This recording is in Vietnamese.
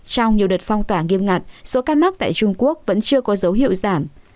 trong nhiều đợt phong tỏa nghiêm ngặt số ca mắc tại trung quốc vẫn chưa có dấu hiệu giảm